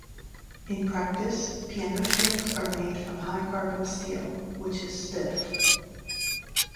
In practice, piano strings are made from high-carbon steel, which is stiff.